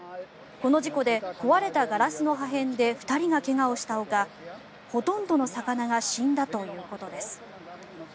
この事故で壊れたガラスの破片で２人が怪我をしたほかほとんどの魚が死んだということです。